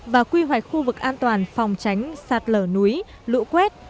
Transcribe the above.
và quy hoạch khu vực an toàn phòng tránh sạt lở núi lũ quét